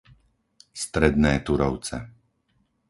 Stredné Turovce